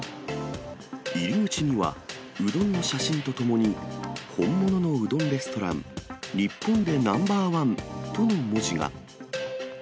入り口には、うどんの写真とともに、本物のうどんレストラン、日本でナンバーワンとの文字が。